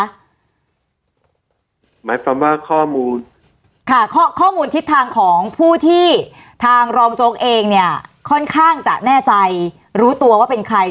หมายความว่าข้อมูลค่ะข้อมูลทิศทางของผู้ที่ทางรองโจ๊กเองเนี่ยค่อนข้างจะแน่ใจรู้ตัวว่าเป็นใคร